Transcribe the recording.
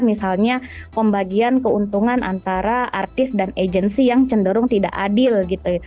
misalnya pembagian keuntungan antara artis dan agensi yang cenderung tidak adil gitu